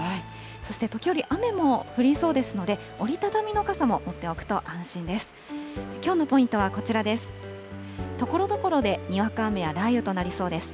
そして時折、雨も降りそうですので、折り畳みの傘も持っておくと安心です。